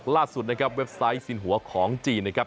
ล่าสุดนะครับเว็บไซต์สินหัวของจีนนะครับ